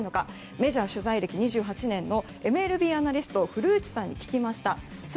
メジャー取材歴２８年のＭＬＢアナリスト古内さんに聞きました。